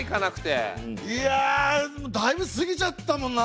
いやだいぶ過ぎちゃったもんな。